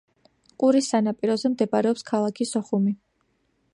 ყურის სანაპიროზე მდებარეობს ქალაქი სოხუმი.